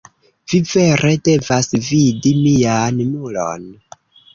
Vi vere devas vidi mian muron.